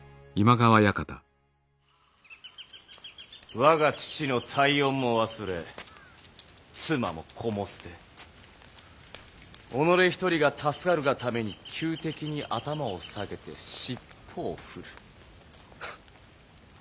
我が父の大恩も忘れ妻も子も捨て己一人が助かるがために仇敵に頭を下げて尻尾を振るハッ。